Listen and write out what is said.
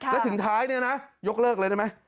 แล้วถึงท้ายเนี่ยนะยกเลิกเลยได้ไหม